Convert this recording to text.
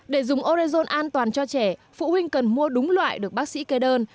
để dùng orezon an toàn cho trẻ phụ huynh cần mua đúng loại được bác sĩ kê đơn